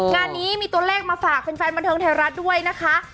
งานนี้มีตัวเลขมาฝากแฟนบันเทิงไทยรัฐด้วยนะคะ